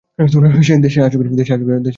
দেশে আছো কিনা এভাবে জানতে হবে?